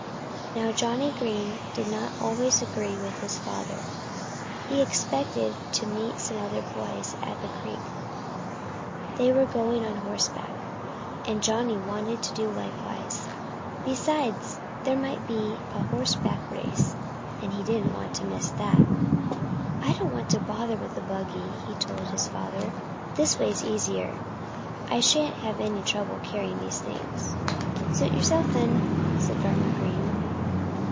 Now, Johnnie Green did not always agree with his father. He expected to meet some other boys at the creek. They were going on horseback. And Johnnie wanted to do likewise. Besides, there might be a horseback race. And he didn't want to miss that. "I don't want to bother with the buggy," he told his father. "This way's easier. I shan't have any trouble carrying these things." "Suit yourself, then!" said Farmer Green.